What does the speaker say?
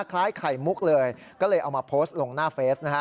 คล้ายไข่มุกเลยก็เลยเอามาโพสต์ลงหน้าเฟสนะฮะ